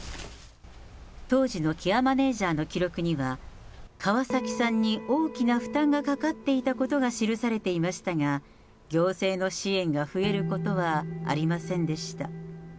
当時のケアマネージャーの記録には、川崎さんに大きな負担がかかっていたことが記されていましたが、行政の支援が増えることはありませんでした。